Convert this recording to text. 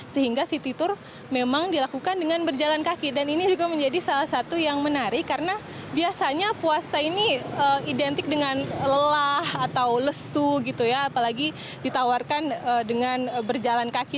sehingga city tour memang dilakukan dengan berjalan kaki dan ini juga menjadi salah satu yang menarik karena biasanya puasa ini identik dengan lelah atau lesu gitu ya apalagi ditawarkan dengan berjalan kaki